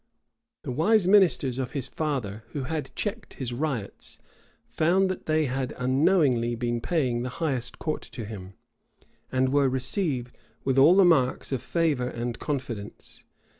1 The wise ministers of his father, who had checked his riots, found that they had unknowingly been paying the highest court to him; and were received with all the marks of favor and confidence.